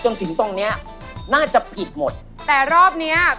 หอยนะครับ